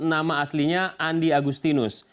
nama aslinya andi agustinus